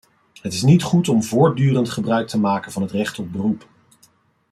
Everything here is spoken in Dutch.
Het is niet goed om voortdurend gebruik te maken van het recht op beroep.